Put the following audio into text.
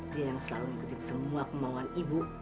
dia yang selalu mengikuti semua kemauan ibu